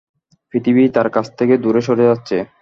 পৃথিবী তাঁর কাছ থেকে দূরে সরে যাচ্ছে।